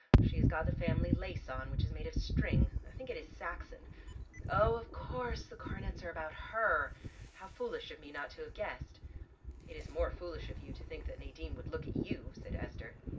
She has got the family lace on, which is made of string. I think it is Saxon. Oh, of course the coronets are about her. How foolish of me not to have guessed." "It is more foolish of you to think that Nadine would look at you," said Esther.